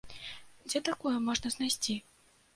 Дзе такую можна знайсці?